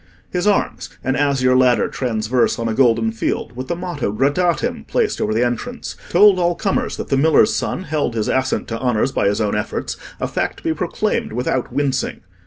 His arms—an azure ladder transverse on a golden field, with the motto Gradatim placed over the entrance—told all comers that the miller's son held his ascent to honours by his own efforts a fact to be proclaimed without wincing.